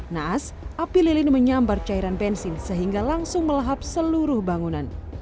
naas api lilin menyambar cairan bensin sehingga langsung melahap seluruh bangunan